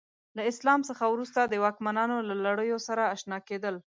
له اسلام څخه وروسته د واکمنانو له لړیو سره اشنا کېدل.